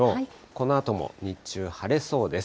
このあとも日中、晴れそうです。